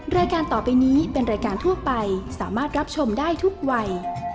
รายการต่อไปนี้เป็นรายการทั่วไปสามารถรับชมได้ทุกวัย